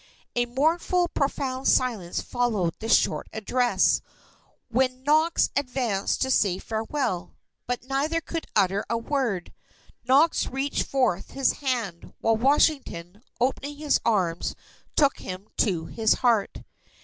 A mournful, profound silence followed this short address, when Knox advanced to say farewell. But neither could utter a word, Knox reached forth his hand, while Washington, opening his arms, took him to his heart.